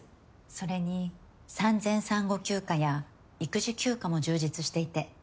それに産前産後休暇や育児休暇も充実していて。